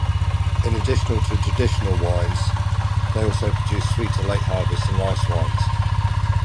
In addition to traditional wines, they also produce sweeter late harvest and ice wines.